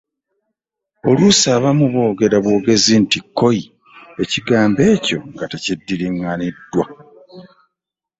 Oluusi abamu boogera bwogezi nti “KKOYI” ekigambo ekyo nga tekiddinganiddwa.